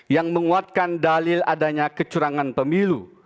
yang menguatkan dalil adanya kecurangan pemilu